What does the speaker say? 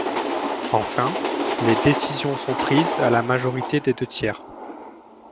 Enfin, les décisions sont prises à la majorité des deux tiers.